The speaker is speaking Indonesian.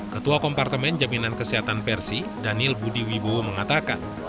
ketua kompartemen jaminan kesehatan persi daniel budi wibowo mengatakan